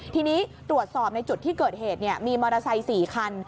ทีนี้ตรวจสอบในจุดที่เกิดเหตุมีมอเตอร์ไซค์๔คัน